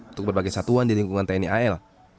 untuk berbagai satuan di lingkungan tni al